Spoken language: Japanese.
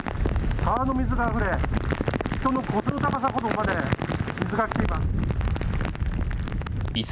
川の水があふれ人の腰の高さほどまで水がきています。